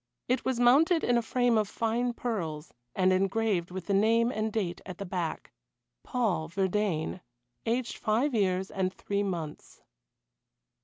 It was mounted in a frame of fine pearls, and engraved with the name and date at the back: "Paul Verdayne aged five years and three months."